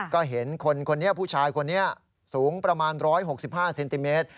ก็เห็นคนคนนี้ผู้ชายคนนี้สูงประมาณ๑๖๕เซนติเมตร